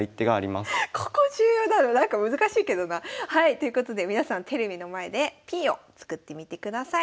ということで皆さんテレビの前でＰを作ってみてください。